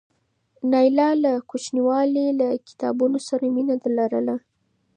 نایله له کوچنیوالي له کتابونو سره مینه لرله.